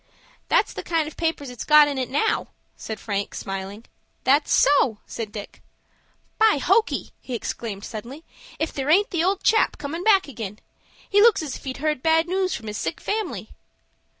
"That's the kind of papers it's got in it now," said Frank, smiling. "That's so!" said Dick. "By hokey!" he exclaimed suddenly, "if there aint the old chap comin' back ag'in. He looks as if he'd heard bad news from his sick family."